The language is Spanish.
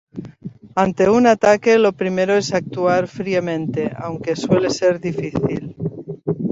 Ante un ataque, lo primero es actuar fríamente; aunque suele ser difícil.